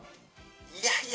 いやいや。